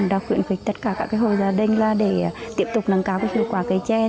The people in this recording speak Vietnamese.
đã khuyện khuyệt tất cả các hội gia đình để tiếp tục nâng cao hiệu quả trè